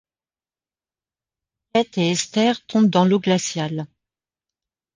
Kate et Esther tombent dans l'eau glaciale.